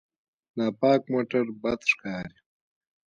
ناپاک موټر بد ښکاري.